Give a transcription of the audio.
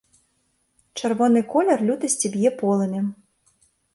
Чырвоны колер лютасці б'е полымем.